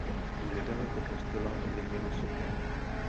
Nedaleko kostela je jeho socha.